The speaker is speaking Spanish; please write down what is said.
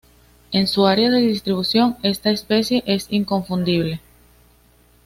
En su área de distribución esta especie es inconfundible.